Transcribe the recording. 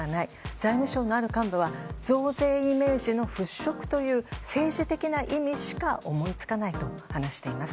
財務省のある幹部は増税イメージの払拭という政治的な意味しか思いつかないと話しています。